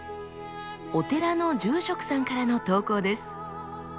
お寺の住職さんからの投稿です。